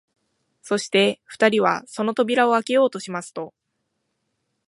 そして二人はその扉をあけようとしますと、